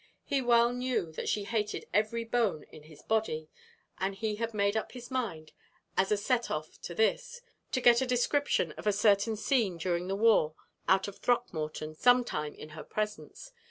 He well knew that she hated every bone in his body, and he had made up his mind, as a set off to this, to get a description of a certain scene during the war out of Throckmorton some time in her presence.